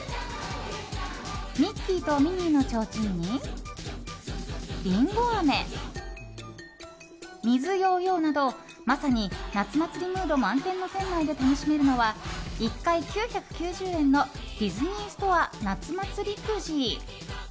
ミッキーとミニーのちょうちんにリンゴあめ、水ヨーヨーなどまさに夏祭りムード満点の店内で楽しめるのは１回９９０円のディズニーストア夏祭りくじ。